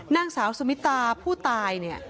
นางสาวสมิตาผู้ตาย